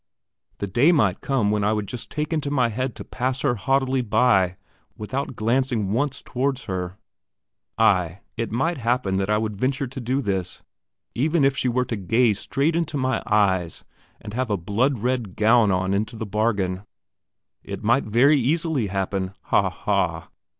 The day might come when I would just take into my head to pass her haughtily by without glancing once towards her. Ay, it might happen that I would venture to do this, even if she were to gaze straight into my eyes, and have a blood red gown on into the bargain. It might very easily happen! Ha, ha!